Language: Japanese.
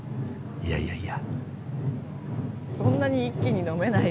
いやいやいやいや。